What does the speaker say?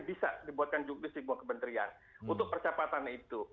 bisa dibuatkan juknis di buah kementerian untuk percepatan itu